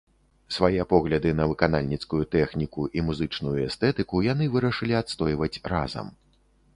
Свае погляды на выканальніцкую тэхніку і музычную эстэтыку яны вырашылі адстойваць разам.